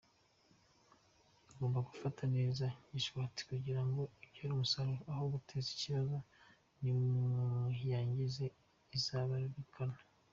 Mugomba gufata neza Gishwati kugira ngo ibyare umusaruro aho guteza ibibazo, nimuyangiza izabaridukana.